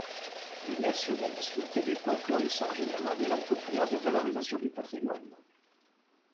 Le nationalisme québécois florissant génère un élan populaire de valorisation du patrimoine.